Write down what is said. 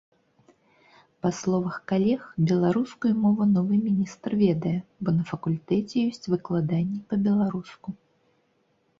Па словах калег, беларускую мову новы міністр ведае, бо на факультэце ёсць выкладанне па-беларуску.